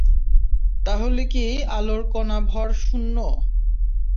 তাহলে কি আলোর কণা ভর শূন্য।